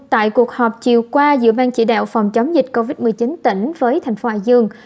tại cuộc họp chiều qua giữa bang chỉ đạo phòng chống dịch covid một mươi chín tỉnh với thành phố hải dương